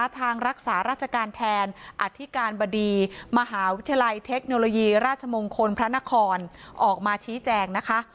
ทางรักษาราชการแทนอธิการบดีมหาวิทยาลัยเทคโนโลยีราชมงคลพระนครออกมาชี้แจงนะคะ